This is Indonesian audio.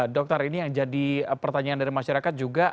dokter ini yang jadi pertanyaan dari masyarakat juga